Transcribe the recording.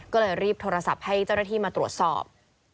ก็เลยรีบโทรศัพท์ให้เจ้าหน้าที่มาตรวจสอบ